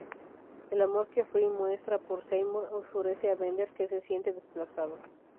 El amor que Fry muestra por Seymour enfurece a Bender, que se siente desplazado.